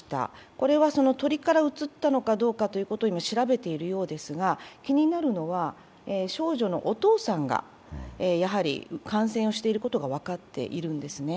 これは鳥からうつったのかどうかも調べているようですが気になるのは、少女のお父さんがやはり感染していることが分かっているんですね。